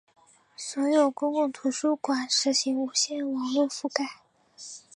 所有公共图书馆实现无线网络覆盖。